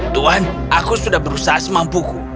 tuan aku sudah berusaha semampuku